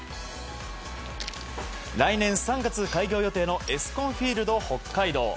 来年３月開業予定のエスコンフィールド北海道。